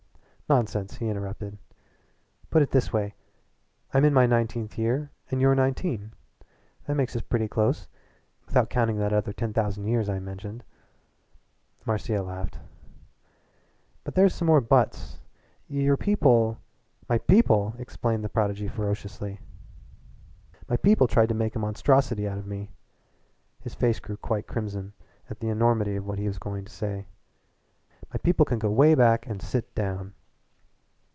"Nonsense!" he interrupted. "Put it this way that I'm in my nineteenth year and you're nineteen. That makes us pretty close without counting that other ten thousand years I mentioned." Marcia laughed. "But there are some more 'buts.' Your people "My people!" exclaimed the prodigy ferociously. "My people tried to make a monstrosity out of me." His face grew quite crimson at the enormity of what he was going to say. "My people can go way back and sit down!"